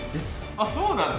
あっそうなんだ！